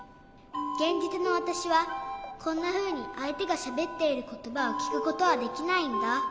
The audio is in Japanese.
げんじつのわたしはこんなふうにあいてがしゃべっていることばをきくことはできないんだ。